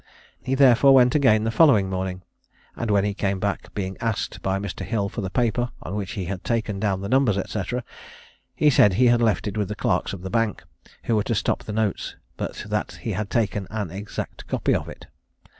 He therefore went again the following morning, and when he came back, being asked by Mr. Hill for the paper on which he had taken down the numbers, &c., he said he had left it with the clerks of the bank, who were to stop the notes, but that he had taken an exact copy of it.